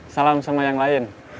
salam sama yang lain